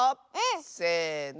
せの。